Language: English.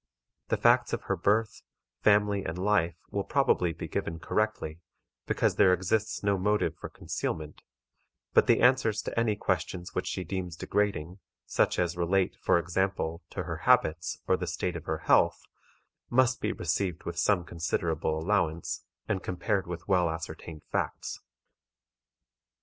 The facts of her birth, family, and life will probably be given correctly, because there exists no motive for concealment; but the answers to any questions which she deems degrading, such as relate, for example, to her habits or the state of her health, must be received with some considerable allowance, and compared with well ascertained facts.